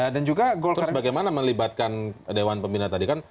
terus bagaimana melibatkan dewan pembinaan tadi kan